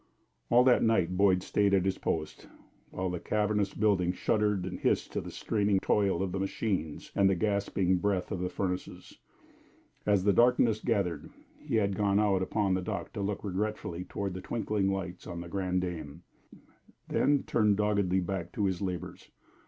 All that night Boyd stayed at his post, while the cavernous building shuddered and hissed to the straining toil of the machines and the gasping breath of the furnaces. As the darkness gathered, he had gone out upon the dock to look regretfully toward the twinkling lights on The Grande Dame, then turned doggedly back to his labors.